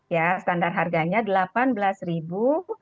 ya standar harganya delapan belas ribu